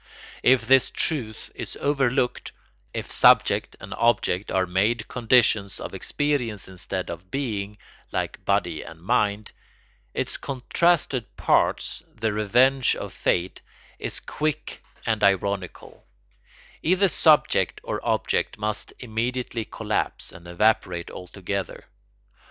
If this truth is overlooked, if subject and object are made conditions of experience instead of being, like body and mind, its contrasted parts, the revenge of fate is quick and ironical; either subject or object must immediately collapse and evaporate altogether.